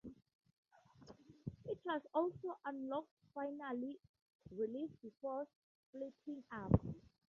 It was also Unloco's final release before splitting up.